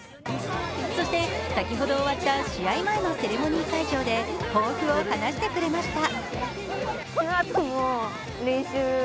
そして先ほど終わった試合前のセレモニー会場で抱負を話してくれました。